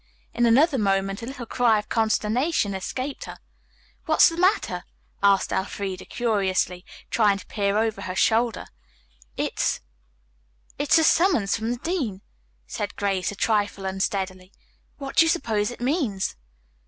In another moment a little cry of consternation escaped her. "What's the matter?" asked Elfreda curiously, trying to peer over her shoulder. "It it's a summons from the dean," said Grace a trifle unsteadily. "What do you suppose it means?"